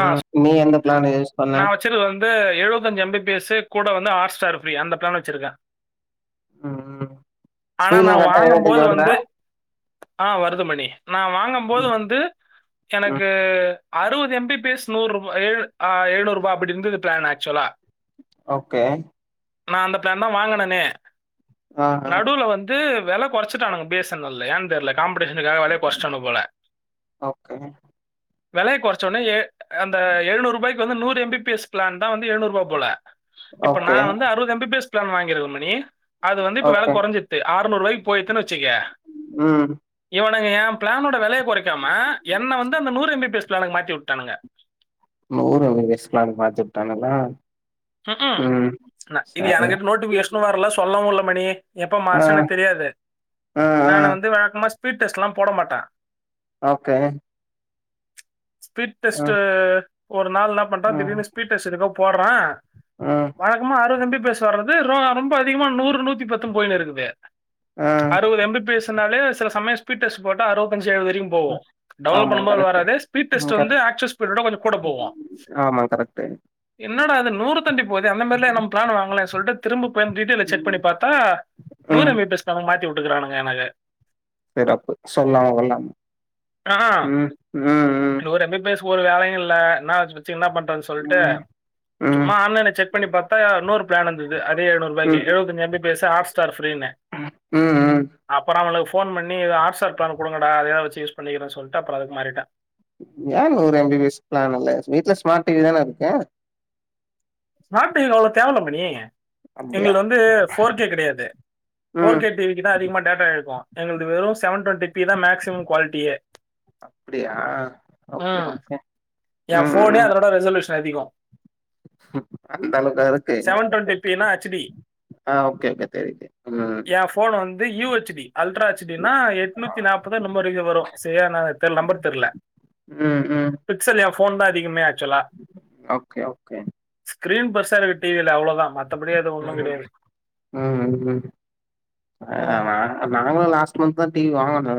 ம் நீ எந்த ப்ளானு யூஸ் பண்ண? ச்சரு வந்து எழுவத்தஞ்சு எம் பி பி எஸ்ஸு கூட வந்து ஹாட் ஸ்டார் ஃப்ரீ அந்த பிளான் வெச்சிருக்கே. ம் ம் ஆனா ஸ்பீட்லா நான் கர்ட்டா எழுவத்தஞ்சு வாங்கும்போது வருதா? வந்து ஆ வருது மணி நா வாங்கம்போது ம் வந்து ம். எனக்கு அறுவது எம் பி பி எஸ் நூற்ப ஏழு அ ஏழ்நூற்பா அப்டி இருந்துது பிளான் ஆக்சுவலா ஓகே. நா அந்த பிளான் தா வாங்குனனே ஆ ஆ நடுவுல வந் து வெல கொறச்சிட்டானுங்க பி எஸ் என் எல் ல ஏன் தெர்ல. காம்படிஷனுக்காக வெலைய கொறச்சிட்டானுவ போல ஓகே வெலைய கொறைச்சோன்னே ஏ அந்த எழுநூறுபாய்க்கு வந்து நூறு M B P S plan தா வந்து எழுநூறுவா போல இப்ப நா ஓகே வந்து அறுவது M B P S plan வாங்கிருக்க மணி அது வந்து இப்ப வெல ஓகே கொறஞ்சி ட்ரு ஆறநூறுவாய்க்கு போய் வித்தேன்னு வச்சிக்க ம் இவனுங்க ஏ பிளானோட வெலைய கொறைக்காம என்ன வந்து அந்த நூறு எம் பி பி எஸ் பிளானுக்கு மாத்தி விட்டானுங்க நூறு எம் பி பி எஸ் பிளானுக்கு மாத்தி உட்டானுங்ளா ம்ஹு என்ன இது சரி எனக்கிட் நோட்டிஃபிகேஷனு வர்ல சொல்லவு இல்ல மணி எப்ப ஆ மாறுச்சு எனக்கு தெரியாது ஆ ஆ நானு வந்து வழக்கமா ஸ்பீட் டெஸ்ட் எல்லா போட மாட்ட ஓகே ஸ்பீட் ஆ டெஸ்ட்டு ஒரு நாள் என்ன பணட்ட ம் திடீர்னு ஸ்பீட் டெஸ்ட் எதுக்கோ போட்ற ம் வழக்கமா அறுவது எம் பி பி எஸ் வர்றது ரொ ரொம்ப அதிகமா நூறு நூத்தி பத்துன்னு போயின்னு இருக்குது ஆ அறுவது எம் பி பி எஸ் னாலே செல சமய ஸ்பீட் டெஸ்ட் போட்டா அறுவத்தஞ்சி வரையு போவு டவுன்லோட் ஆமா பண்ணும்போது அது கரெக்ட்டு வராது ஸீ்பீட் ம் டெஸ்ட் வந்து கரெக்ட் ஆக்சுவல் ஸ்பீட விட கொஞ்ச கூட போவு ஆமா கரெக்ட்டு என்னடா இது நூறு போது அந்த மாரில்லா நம் பிளான் வாங்கல சொல்ட்டு திரும்ப போய் அந்த டீட்டெயில செக் ம் பண்ணி பாத்தா நூறு ம் மீட்டர்ஸ் பிளான மாத்தி விட்டுக்கறானுங்க எனக்கு சிறப்பு சொல்லாம கொல்லாமா ம் ம் ம் ஒரு எம் பி பி எஸ் ஒரு வேலையு இல்ல என்னா வச்சு என்ன பண் ம் ம் ஆன்லைன்ல செக் பண்ணி பாத்தா இன்னொரு பிளான் வந்தது அதே எழுநூறுபாய்க்கி ம் எழுவத்தஞ்சி M B P S Hotstar ஃப்ரீன்னு ம் ம் அப்புற அவங்களுக்கு ஃபோன் பண்ணி ஏதாது ஆர்ட் ஸ்டார் பிளானு குடுங்கடா அதையாது வச்சு யூஸ பண்ணிக்கிறேன்னு சொல்ட்டு அப்ற அதுக்கு மாறிட்ட ஏன் நூறு M B P S plan இல்ல வீட்ல ஸ்மார்ட் டிவி தானே இருக்கு ஸ்மார்ட் டிவி அவ்வளோ தேவயில்ல மணி அப்டியா எங்கள்ட்ட வந்து ஃபோர் கே கெடையாது ஃபோர் ம் கே டிவிக்கு தா அதிகமா டேட்டா இழுக்கும் எங்களுது வெறும் செவன் டுவெண்டி பி தா மேக்சிமம் குவாலிட்டியே அப்டியா ஓகே ஓகே ஏ ம் ஃபோனு அதோட ரெசல்யூஷன் அதிகம் அந்தளவுக்காது செவன் டுவெண்ட்டி பினா ஹெச்சுடி ஆ ஓகே ஓகே தெரியு தெரியு ம் ஏ ஃபோன் வந்து U H D ultra H டின்னா எட்நூத்தி நாப்பதோ என்னமோ அதிக வரு சரியா நா நம்பர் தெர்ல ம் ம் பிக்சல் ஏ ஃபோன் தா அதிகமே ஆக்சுவலா ஓகே ஓகே ஸ்க்ரீன் பர்சர்வேட்டிவ் இல்ல அவ்ளோ ம் ம் ஆ ம், ஆமா நாங்களு லாஸ்ட் மந்த் தா டிவி வாங்குனோ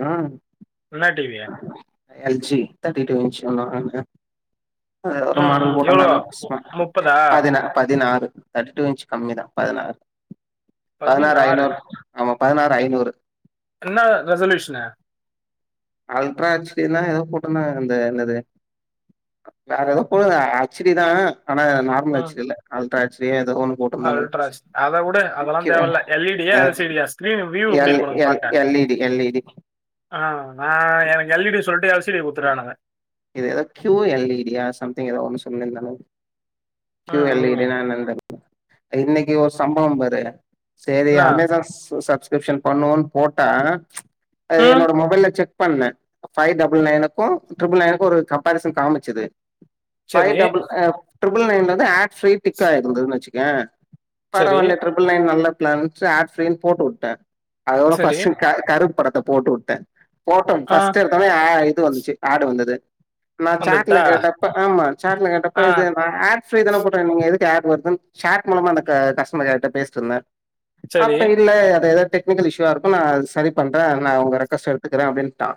என்ன TV L G thirty two inch ஒன்ன வாங்குன அத ஒரு ம் மாடல் ம், போட்ட எவ்வளோ நானு மு- ஸ்மா முப்பதா பதினா பதினாறு தேர்ட்டி டூ இன்ச் கம்மி தா பதினாறு பதினாறு ஐநூறு ஆமா பதினாறு ஐநூறு என்ன ரெசல்யூஷனு அல்ட்ரா அச் டின்னோ எதோ போட்ருந்தாங்க அந்த என்னது வேற எதோ போடுங்க அச் டி தா ஆனா நார்மல் அச் டி இல்ல அல்ட்ரா அச் டியோ எதோ ஒன்னு போடு அல்ட்ராஸ் அத உடு அதெல்லா தேவ இல்ல எல்இடியா ஆ எல்சிடியா ஸ்கிரீன் வியூ எப்டி L L E D L E D ஆ நா எனக்கு எல்இடி சொல்லிட்டு எல்சிடி ஆ குடுத்துடானுங்க இது எதோ கியூ எல்இடியா சம்திங் எதோ ஒன்னு சொல்லிருந்தானுங்க கியூ ம் ம். எல்இடினா என்னனு தெரில இன்னைக்கு ஒரு சம்பவோ பாரு சேரி என்ன அமேசான் சஸ் சப்ஸ்கிரிப்ஷன் பண்ணுவோன் போட்டா அ ம் என்னோட மொபைல செக் பண்ணே ஃபை டபுள் நைன் க்கு ட்ரிபிள் நைனுக்கு ஒரு கம்பாரிசன் காமிச்சது ஃபை சரி, டபுள் ஆ ட்ரிபிள் நயன்ல வந்து ஆட் ஃப்ரீ டிக் ஆயிருந்துதுன்னு வச்சிக்கே சரி, பரவாலே ட்ரிபிள் நயன் நல்ல பிளான் சோ ஆட் ஃப்ரீன் போட்டு வுட்டே அதோட சரி. ஃபஸ் க கருப்பு படத்த போட்டு உட்டே போட்ட ஆ ஃபஸ்ட்டு எடுத்தொன்னே ஆ இது வந்துச்சு ஆட் வந்துது நா சாட்ல வந்துடுதா? கேட்டப்ப ஆமா சாட்ல கேட்டப்ப ஆ இது ப்ப ஆட் ஃப்ரீ தான போட்டே நீங்க எதுக்கு ஆட் வருதுன் சாட் மூலமா அந்த க கஸ்டமர் கேர்ட்ட பேசிட்ருந்தே சரி, அப்ப இல்ல அது எதோ டெக் னிக்கல் இஷூவாருக்கு நா சரி பண்றே அத நா உங்க ரெக்யூஸ்ட்ட எடுத்துக்குறே அப்டின்ட்டா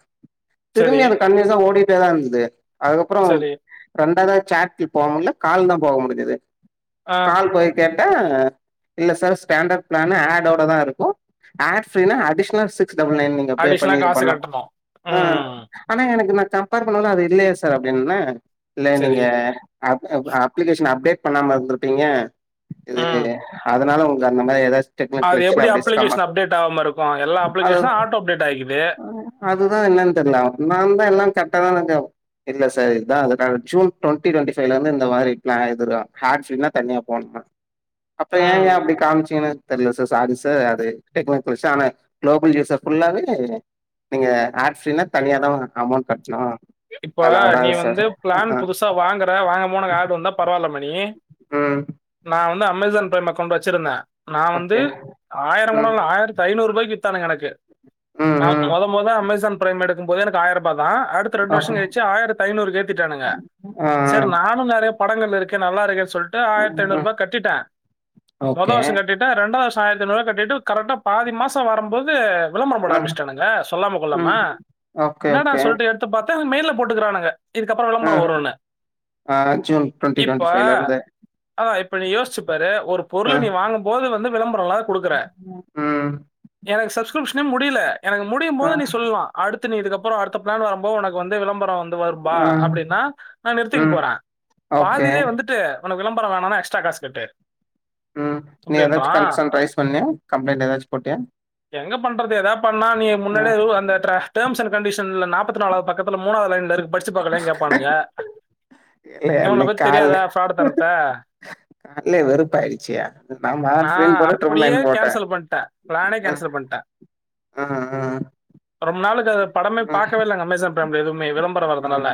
சரி, திரும்பி அது கண்டினியூஸா ஓடிட்டேதா இருந்துது அதுக்கப்றோ சரி. ரெண்டாதா சேட்க்கு போ முல்ல கால் தா போக முடிஞ்சிது ஆ கால் போய் கேட்டா இல்ல சார் ஸ்டேண்டர்ட் பிளானு ஆட் டோட தா இருக்கு ஆட் ஃப்ரீனா அடிஷ்னல் சிக்ஸ் டுபுள் நைன் நீங்கிபே அடிஷனலா பண்ணி இது காசு பண்ணு கட்டணும். ஆ ம். ஆனா எனக்கு நா கம்பேர் பண்ணக்குல அது இல்லையே சார் அப்டின்ன இல்ல சரி. நீங்க அப் அப்றோ அப்ளிகேஷன் அப்டேட் பண்ணாம இருந்துருப்பிங்க இது ம். அதனால உங்ளுக் அந்த மாரி எதாச்சு அது எப்டி அப்ளிகேஷன் அப்டேட் ஆவாம இருக்கு எல்லா அது அப்ளிகேஷனு ஆட்டோ அப்டேட் ஆயிக்குது அதுதா என்னன் தெர்லா நா தா எல்லா கரெக்ட்டா தா செஞ்சே இல்ல சார் இதா அதுக்கான ஜூன் டொண்ட்டி டொண்ட்டி ஃபைலந்து இந்த மாரி பிளான் [inaudible] ஆட் ஃப்ரீனா தனியா போட்ணுமா அப்ப ஏங்க ம். அப்டி காம்ச்சிங்க தெர்ல சார் சாரி சார் அது [unintelligible] ஆனா குளோபல் யூசர் ஃபுல்லாவே நீங்க ஆட் ஃப்ரீனா தனியாதா உங்களுக்கு அமௌண்ட் கட்ணு இப்ப நீ வந்து பிளான் புதுசு சா வாங்குற வாங்க போது உனக் ஆட் வந்தா பரவால்ல மணி ம் நா வந்து அமேசான் பிரைம் அக்கௌன்ட் வச்சிருந்தே நா வந்து ஓகே ஆயிரம் கூட ம் இல்ல ஆயிரத்தி ஐநூற்பாய்க்கு இத்தானுங்க எனக்கு ம் நா ம் மொத மொத அமேசான் பிரைம் எடுக்கும்போதே எனக்கு ஆயரூபா தா அடுத்து ரெண்டு வர்ஷோ ஓகே கழிச்சு ஆயிரத்தி ஐநூறுக்கு ஏத்திட்டானுங்க ஆ செரி நானு நறைய படங்கள் இருக்கு நல்லாருக்கே சொல்ட்டு ஆ ஆயிரத்தி ம் ஐநூறுபா கட்டிட்டே மொத ஓகே வர்ஷோ கட்டிட் ரெண்டாது வர்ஷோ ஆயிரத்தி ஐநூறு கட்டிட்டு கரெக்டா பாதி மாசோ வரும்போது விளம்பரோ போட ஆ ஆரம்பிச்ட்டானுங்க சொல்லாம கொல்லாம ம் ஓகே என்னடா ஓகே சொல்ட்டு எடுத்து பாத்தா மெயில்ல போட்டுக்குறானுங்க இதுக்கப்றோ ஆ விளம்பரோ வருன்னு ஆ ஜூன் டுவெண்ட்டி இப்ப டுவெண்ட்டி ஃபைவ்ல இருந்து ஆ இப்ப நீ யோசிச்சு பாரு ஒரு பொருள ஆ நீ வாங் போது வந்து விளம்பரோ இல்லாத குடுக்குற ம் எனக்கு சப்ஸ்கிரிப்ஷனே முடில எனக்கு முடியு ஆ போது நீ சொல்லா அடுத்து நீ இதுக்கப்றோ அடுத்த பிளான் வரும்போது உனக்கு வந்து விளம்பரோ வந்து இந்தமாரி ப்பா ஆ அப்டின்னா நா நிறுத்திக்க ம் போறே ஓகே பாதிலே வந்துட்டு உனக்கு விளம்பரோ வேணானா எக்ஸ்ட்ரா காசு கட்டு ம் நீ ஏதாச்சு அப்டின்றான். கன்சன் ரைஸ் பண்ணியா கம்ப்ளைண்ட் ஏதாச்சு போட்டியா எங்க பண்றது எதாது பண்ணா நீ ஆ முன்னாடியோ அந்த ட்ர டம்ஸ் அண்ட் கண்டிஷன்ல நாப்பத் நாலாவது பக்கத்துல மூணாவது லைன்ல இருக்கு படிச்சு பாக்கலையானு கேப்பானுங்க இல்ல இன்னக் கால்ல கால்லே வெறுப்பாய்ருச்சியா நா ஹாட்ஸ் ப்ரீனு போட்டு ட்ரிபிள் நைன் போட்ட போட்ட ப்ளானே கேன்சல் பண்ட்ட ஆ ரொம்ப நாள்க்கு அதுல படமே ஆ ஆ பாக்கவே இல்லங்க அமேசான் ஃபமிலி எதுவுமே விளம்பரோ வரதுனால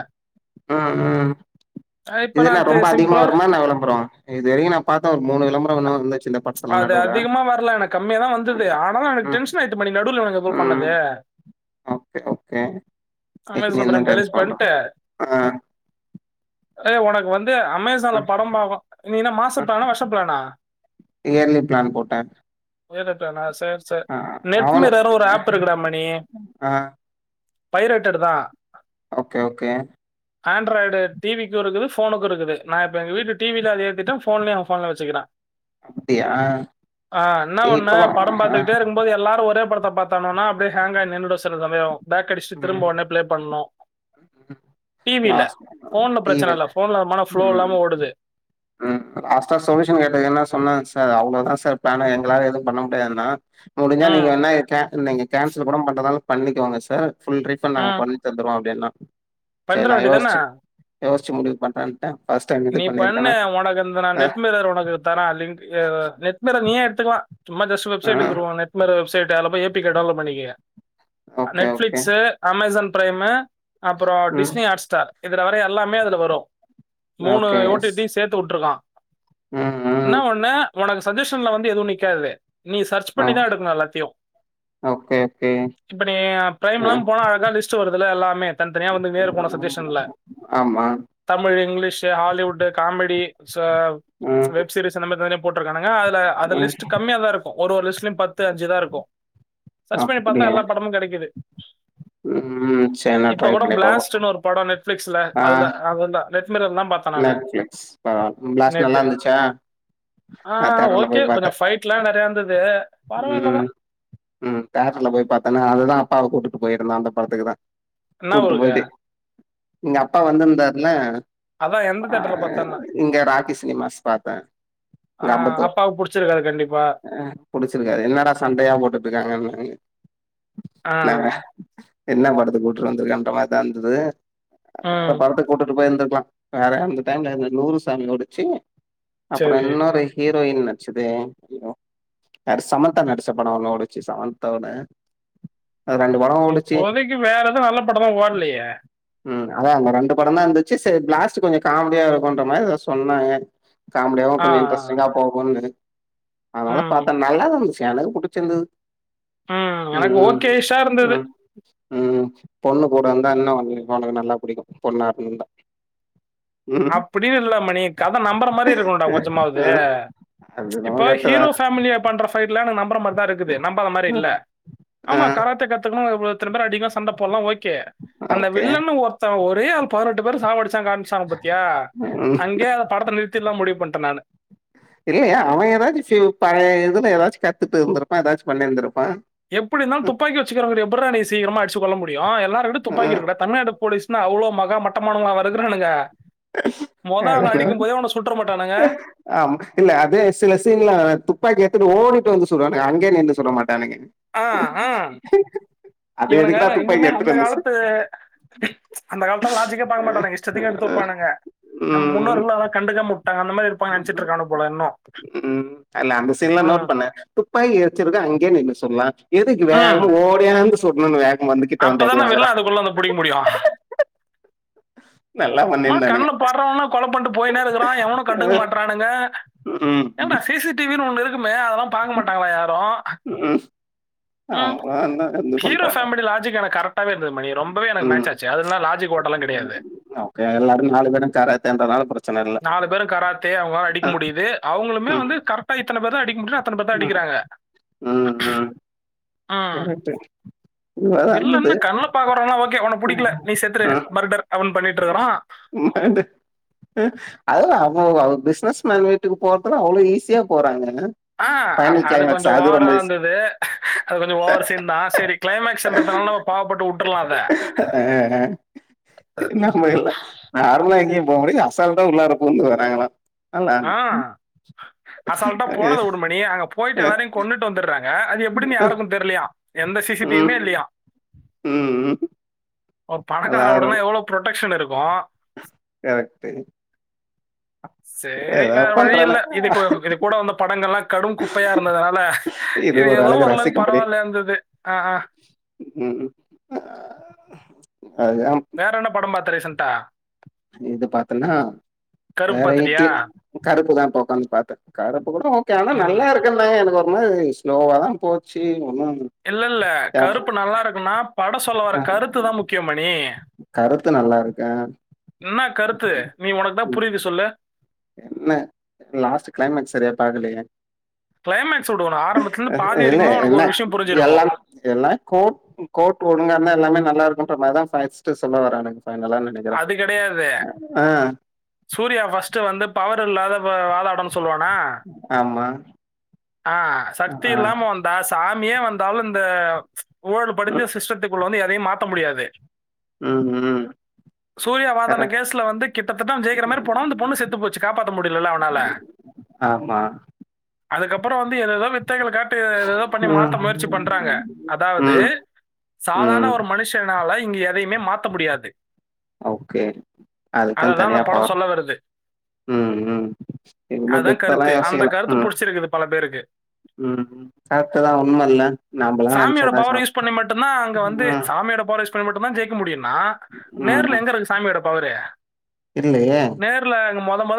ஆ ஆ ஆ இது என்ன ரொம்ப அதிகமா வருமா என்ன விளம்பரோ இது வரைக்கும் நா பாத்த ஒரு மூணு விளம்பரம் இருந்தாச்சு இந்த பம் அதுல அதிகமா வரலா எனக்கு கம்மியா தா வந்தது ஆனாலு எனக்கு ம் டென்ஷன் ஆய்ட்டு மணி நடுவுல எனக்கு அந்த மா ம் பண்ணது ஓகே ஓகே அதனால சொல்ற நீந்தா டான்ஸ் டெலிட் பண்ற பண்ட்டு ஆ ஏ ஒனக்கு வந்து அமேஸ் அ சான்ல படோ பாக்கோ நீ என்ன மாச அ ப்ளனா வருஷ ப்ளனா இயர்லி பிளான் போட்டே ஒரே நெட்டானா சர் சரி ஆ நெட் மீரர்னு ஒரு அப் இருக்குடா மணி அ ஹை ரேட்டட் தா ஓகே ஓகே அண்ட்ராய்டு டிவிக்கு இருக்குது ஃபோனுக்கு இருக்குது நா இப்ப எங்க வீட்டு டி வி ல அது ஏதிட்ட போன்லயு அவ ஃபோன்ல வச்சுக்கிற அப்டியா ஆ என்ன ஒண்ணு இப்ப வா படோ ஆ பாத்துக்கிட்டே இருக்கும் இப்போ எல்லாரு ஒரே படத்த பாத்தானுவனா அப்படியே ஹேங்க் ஆயி நின்னுடு சில சமயே பேக்கடிச்சு ம் திரும்ப உடனே ப்ளே பண்ணனு டி வி ல லாஸ்ட் ஃபோன்ல பிரச்சன டிவி இல்ல ஃபோன்லமான ப்ளோ ம் இல்லாம ஓடுது ம் லாஸ்ட்டா சொல்யூஷன் கேட்டதுக்கு என்ன சொன்ன சார் அவ்ளோதா சர் பிளனு எங்களால எது பண்ண முடியாதுன்ன முடிஞ்சா ம், நீங்க வேன க நீங்க கேன்சல் கூட பண்றதாலு பண்ணிக்கோங்க சர் ஃபுல் ரீஃபண்ட் நா ம். பண் னிதந்துருவோ அப்டின்னா சரி பண்ற நா வேண்டியது தான. யோசிச்சு யோசிச்சு முடிவு பண்ற ஃபஸ்ட் டைம் இது நீ பண்ணு. பண்ணிருக்கன உனக்கு இந்த நா நெட்மிர்ர் உனக்கு தர லிங்க் அ நெட்மிரர் நீயே எடுத்துக்லா சும்மா ஜஸ்ட் அ வெப்சைட்டுக்குவ நெட்மிரர் வெப்சைட்டு அதுல போய் ஏபிகே டவுண்லோட் பண்ணிக்க okay okay Netflix Amazon Prime அப்புறோ ம் டிஸ்னி ஹாட் ஸ்டார் இதுல வர எல்லாமே அதுல வரு மூணு ஓகே எஸ் ஓட்டிட்டி சேத்து உட்ருக்கா ம் ம் என்ன ஒன்னு ஒனக்கு சஜஷன்ல வந்து எதுவு நிக்காது நீ சர்ச் ஆ பண்ணிதா எடுக்கணு எல்லாத்தையு ஓகே ஓகே இப்ப நீ பிரைம்ல்லா அ போனா அதுலா லிஸ்ட் டு வருதுல எல்லாமே தனித்தனியாக வந்துக்கினே இருக்கு சஜஷன்ல்ல ஆமா தமிழ் இங்லீஷ் ஏ ஹாலிவுட்டு காமெடி புதுசா ம் வெப்சீரிஸ் இந்த மாரி நெறையா போட்ருக்கானுக அதுல அது ம் லிஸ்ட் கம்மியா தா இருக் ஒரு ஒரு லிஸ்ட்லயு பத்து அஞ்சு தா இருக்கு சர்ச் பண்ணி பாத்தா அப்டியா எல்லா படமு கெடைக்குது ம் ம் சரி நா ட்ரை பண்ணி பாக்கு படோ நெட்ப்ளிக்ஸ்ல அதுல அதுல நெட்மீரர்ல தா பா நல்லாயிருந்துச்சு அ பிளாஸ்ட் நல்லா இருந்துச்சா நா தியேட்டர்ல போய் பாத்த கில்லா நெறையா இருந்தது பரவாயில்ல ம் தான். ம் தேட்டர்ல போய் பாத்தன்னா அதுதா அப்பாவ கூட்டிட்டு போயிருந்த அந்த படத்துக்கு தா என்ன கூட்டு ஊருங்க? போய்டு எங்க அப்பா வந்துருந்தாருல்ல அதான் எந்த அ தியேட்டர்ல பார்த்தேன்னா? இங்க ராக்கி சினிமாஸ் பாத்த ஆ அப்பாவுக்கு புடிச்சிருக்காது கண்டிப்பா புடிச்சிருக்காது என்னடா சண்டையா போட்டுட்ருக்காங்கங் ஆ. என்னாங்க என்ன படத்துக்கு கூட்டுட்டு வந்திருக்கன்ற மாரிதா இருந்தது வேற ம். படத்து கூட்டுட்டு போயிருந்துக்கலா வேற அந்த டைம்ல நூறு சாமி ஓடிச்சு அப்பறோ சரி. இன்னொரு ஹீரோயின் நடிச்சது ஹீரோ யாரு சமந்தா நடிச்ச படோ ஒன்னு ஓடுனுச்சு சமந்தாவோட அது ரெண்டு படோ இப்போதைக்கி வேற எதுவு நல்ல படோ தா ஓடலயே ம் அதா அந்த ரெண்டு படம் தா இருந்துச்சி சேர் பிளாஸ்ட்டு கொஞ்சோ காமெடியா இருக்குன்ற மாரி எதா சொன்னாங்க காமெடியாவு ஆ. கொஞ்சோ இன்ட்ரெஸ்டிங்கா போகுனு அதனால பா ம். நல்லா தா இருந்துச்சு எனக்கு புடிச்சிருந்தது ம் எனக்கு ம் ஓகேஷா இருந்தது. ம் ம் பொண்ணு கூட இருந்தா இன்னு உங்ளுக் உனக்கு நல்லா புடிக்கு பொண்ணா இருந்துதா அப்படின்னு இல்ல மணி கத நம்பர மாரி இருக்கணும்டா கொஞ்சமாவது அது நம்ம இப்போ கரெக்ட் ஹீரோ ஃபேமிலிய பண்ற பைட்ல்லா நம்பற மாரி தா இருக்குது நம்பாத மாரி தான் இல்ல ஆ ஆமா கராத்தே கத் [unintelligible] இத்தன பேர் அடிக்கல சண்ட போட்லா ஓகே அந்த ஓகே வில்லன்னு ஒருத் த ஒரே ஆள் பதினெட்டு பேரு சாவடிச்சா காமிச்சாங்க பத்தியா ம் அங்கே அத படத்த நி றுத்திலா முடிவு பன்ட நானு இல்லையே அவ ஏதாச்சு பியு ப இதுல ஏதாச்சு கத்துட்ருந்திருப்பா ஏதாச்சு பண்ணிருந்திருப்பா எப்டி இருந்தாலு துப்பாக்கி வச்சுக்கறவங்கட்ட எப்புட்ரா நீ சீக்கரமா அடிச்சு கொல்ல முடியு எல்லாருட்ட ஆ, துப்பாக்கி இருக்குடா தமிழ்நாடு போலீஸ்ன்னா அவ்ளோ மகா மட்டமானவங்களாவா இருகுறானுங்க மொத ஆள அடிக்கும் போதே அவன சுட்டர மாட்டானுங்க அம் இல்ல அதே சில சீன்ல்ல துப்பாக்கிய ஏடுதுட்டு ஓடிட்டு வந்து சுடுவானுங்க அங்கே நின்னு சுடமாட்டானுங்க அ ஆ அது இவனுங்க எதுக்குடா துப்பாக்கி இன்னுமே அந்த எடுத்துட்டு வந்து சு- காலத்து அந்த காலத்தல லாஜிக்கே பாக்க மாட்டாங்க இஷ்டத்துக்கு எடுத்து வப்பானுங் க நம் ம், முன்னோர்கள் அதலா கண்டுக்காம உட்டாங்க அந்த மாரி இருப்பாங்கன்னு நெனச்சுட்டு இருக்கானுங்க போல இன்னும். ம் இல்ல அந்த சீன்லா நோட் ம். பண்ண துப்பாக்கிய வச்சிருக்கவ அங்கே நின்னு சுடலா எதுக்கு வேகமா ஓடியாந்து சுடணு வேகமா வந்துக்கிட் அப்பதான வெளிநாடு குள்ளன புடிக்க முடியு நல்லா மா பண்ணியிருந்தானுங்க கண்ல பர்றவன கொலபன்டு போய்னே இருக்குறா எவனு கண்டுக்க மாட்டா னுங்க ம், ஏண்டா ம், சி சி டி வி னு ஒண்ணு இருக் குமே அதெல்லா பாக்க மாட்டாங்களா யாரு ம். ம் அவன் தான் இது ஹீரோ பண்றான் ஃபேமிலி லாஜிக் ஆனா கரெக்ட் டாவே இருந்தது மணி ரொம்பவே எனக்கு ம் மேட்ச் ஆச்சு அதல்லா லாஜிக் ஓட்டலா கெடையாது ஓகே எல்லாரு நாலு கட சாய்ராத்த [inaudible] நாலு பேரு கராத்தே அவங்களால அடிக்க முடியுது அவங்களுமே ம் வந்து கரெக்ட் டா இத்தன பேர்தா அடிக்க முடியுனா அத்தன பேர்தா ம் அடிக்கிறாங்க ம் ம் ம் கரெக்ட்டு இதுவர இருந்தது வில்லன்ன கண்ல பாக்கறவன்லா ஓகே ஒன்ன புடிக்கல நீ செத்துரு மர்டர் அவன் பண்ணிட்ருக்கறா என்னாண்டு ம் அதல்லா ஔ அவ பிசினஸ்மேன் வீட்டுக்கு போறதுனா அவ்ளோ ஈஸியா போறாங்க ஆ அ அ ஃபைனல் அது கிளைமேக்ஸ் கொஞ்சோ ஓவரா ரொம்ப ஈஸி இருந்தது அது கொஞ்சோ ஓவர் சீன் தா செரி கிளைமக்ஸ்ன்றதனால பாவப்பட்டு உட் ஆ ஆ என்னா நம்ம எல்லா நார்மலா எங்கேயு போக முடியு அசால்டா உள்ளார பூந்து வராங்களா அல்லா ஆ அசால்டா போனது உடு மணி அங்க போயிட்டு எல்லாரையு கொண்ணுட் வந்துடுறாங்க அது எப்டினு யாருக்கு தெர்லையா எந்த சி சி டிவி மே இல்லையா ம் ம் ஒரு பணக்கார எல்லாரு வீடுனா எவ்ளோ ப்ரொடெக்ஷன் இருக்கு கரெக்டு சேரி வேற வழி இல்ல இது இது கூட வந்த படங்கள்ல்லா கடுங் குப்பையா இருந்ததுனால இது ஒரு ஏதோ அழகு ஓரளவுக்கு ரசிக்கும்படி பரவாயில்லயா இருந்தது அஹ ம் ம் அதா வேற என்ன படம் பாத்த ரீசன்டா இது பாத்தன்னா கருப்பு வேற ஈட்டி பார்த்துட்டியா? கருப்புதா இப்ப உக்காந்து பாத்தே கருப்பு கூட ஓகே ஆனா ம். நல்லா இருக்கு இல்லண்ணே எனக்கு ஒருமாரி ஸ்லோவா தா போச்சு ஒன்னு இல்ல இல்ல கருப்பு நல்லா இருக்குன்னா படோ சொல்ல வர்ற ஆ கருத்துதா முக்கியோ மணி கருத்து நல்லா இருக்கே என்னா கருத்து நீ உனக்கு தா புரியுது சொல்லு என்ன லாஸ்ட்டு கிளைமாக்ஸ் சரியா பாக்கலையே கிளைமாக்ஸ் விடு ஒன்ன ஆரம்பத்துல இருந்து பாதி இல்ல வரிக்குமா ஒனக்கு என்ன ஒரு விஷயோ புரிஞ்சிருக்கு எல்லாம் எல்லா கோட் கோர்ட் ஒழுங்கா இருந்தா எல்லாமே நல்லா இருக்குன்ற மாதிரி தா ஃபஸ்ட்டு சொல்ல வராங்க ஃபைனலா நெனை க்கிறே அது கிடையாது. ஆ சூர்யா ஃபஸ்ட்டு வந்து பவர் இல்லாத வ வாதாடனு சொல்லுவானா ஆமா ஆ சக்தி ஆ இல்லாம வந் தா சாமியே வந்தாலு இந்த ஊழல் படிஞ்ச சிஷ்டத்துக்குள்ள வந்து எதையும் மாத்த முடியாது ம் ஹும் சூர்யா வாதாடுன கேஸ்ல வந்து கிட்டத்தட்ட அவ ஜெயிக்கிற மாறி போனு அந்த பொண்ணு செத்து போச்சு காப்பாத்த முடியலல்ல அவனால ஆமா அதுக்கப்பறோ வந்து எதேதோ வித்தைகள காட்டி எதேதோ பண்ணி ம் மாத்த முயற்சி பண்றாங்க அதாவது ம் சாதாரண ம் ஒரு மனுஷனால இங்க எதையுமே மாத்த முடியாது ஓகே அதுக்குன் அததான் அந்த தனியா படம் பவர் சொல்ல வருது ம் ம் இனிமேட்டு அதுதான் இப்பலா கருத்து அந்த யோசிக்கல கருத்து ம் பிடிச்சிருக்குது பல பேருக்கு ம் கரெக்டு தா உண்மை இல்ல நம்மளா சாமியோட நெனைச்சதுதா பவர் சொல்ல யூஸ் ம் [unintelligible] மட்டுந்தா ஜெயிக்க முடியும்னா நேர்ல ம் எங்க இருக்கு சாமியோட பவரு இல்லையே நேர்ல இந்த மொத மொத